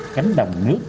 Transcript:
cánh đồng nước